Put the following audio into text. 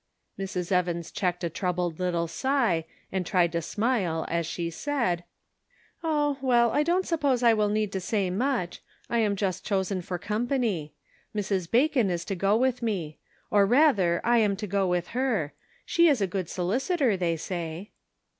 Mrs. Evans checked a troubled little sigh, and tried to smile, as she said :" Oh, well, I don't suppose I will need to say much ; I am just chosen for company. Mrs. Bacon is to go with me; or, rather, I 46 The Pocket Measure^ am to go with her. She is a good solicitor they say."